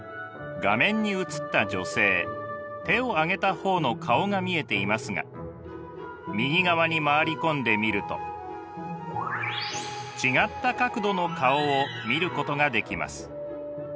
画面に映った女性手を上げた方の顔が見えていますが右側に回り込んで見ると違った角度の顔を見ることができます。